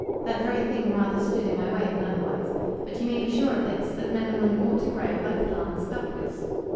That very thing rather stood in my way than otherwise. But you may be sure of this, that men and women ought to grow, like plants, upwards.